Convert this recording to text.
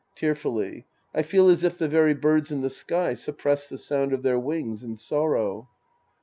{fearfully!) I feel as if the very birds in the sky suppress the sound of their wings and sorrow.